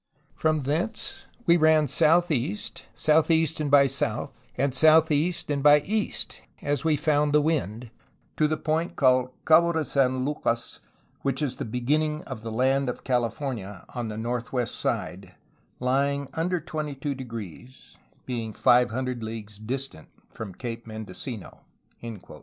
From thence we ran south east, south east and by south, and south east and by east, as we found the wind, to the point called Cabo de San Lucas, which is the beginning of the land of California, on the north west side, lying under 22°, being five hundred leagues distant from Cape Mendocino."